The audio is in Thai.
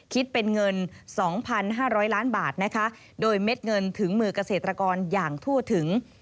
คิดเป็นเงิน๒๕๐๐ล้านบาทนะคะโดยเม็ดเงินถึงมือเกษตรกรอย่างทั่วถึง